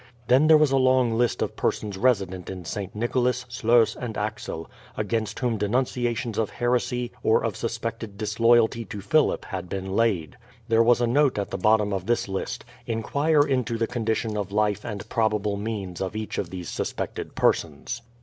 Then there was a long list of persons resident in St. Nicholas, Sluys, and Axel, against whom denunciations of heresy or of suspected disloyalty to Philip had been laid. There was a note at the bottom of this list: "Inquire into the condition of life and probable means of each of these suspected persons."